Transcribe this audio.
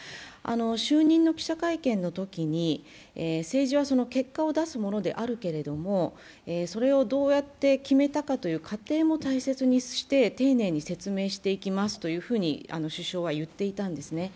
就任の記者会見のときに、政治は結果を出すものであるけれどもそれをどうやって決めたかという過程も大切にして丁寧に説明していきますと首相は言っていたんですね。